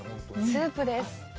スープです。